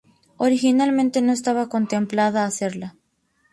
Originalmente no estaba contemplada hacerla.